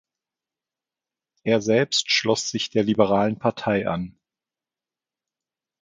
Er selbst schloss sich der Liberalen Partei an.